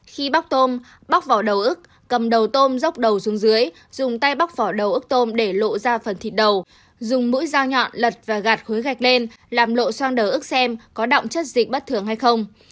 khi bóc tôm bóc vỏ đầu ức cầm đầu tôm dốc đầu xuống dưới dùng tay bóc vỏ đầu ức tôm để lộ ra phần thịt đầu dùng mũi dao nhọn lật và gạt khối gạch lên làm lộ xoan đờ ức xem có động chất dịch bất thường hay không